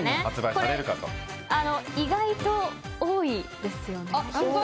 これ、意外と多いですよね。